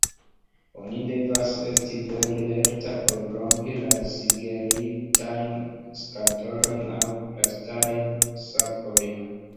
Oni devas esti vere lerta por rompi la sigelitajn skatolojn aŭ plastajn sakojn.